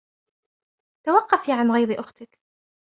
توقفي عن غيظ أُختِك!